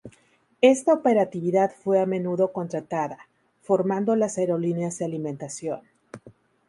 Esta operatividad fue a menudo contratada, formando las aerolíneas de alimentación.